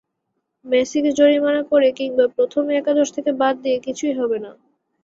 মেসিকে জরিমানা করে কিংবা প্রথম একাদশ থেকে বাদ দিয়ে কিছুই হবে না।